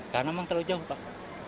karena memang terlalu jauh